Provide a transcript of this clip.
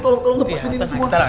tolong tolong lepasin ini semua